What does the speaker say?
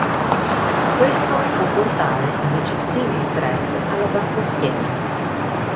Questo può portare ad eccessivi stress alla bassa schiena.